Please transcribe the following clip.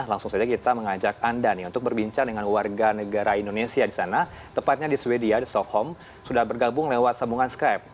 langsung saja kita mengajak anda nih untuk berbincang dengan warga negara indonesia di sana tepatnya di sweden di stockholm sudah bergabung lewat sambungan skype